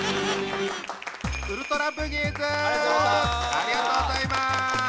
ありがとうございます。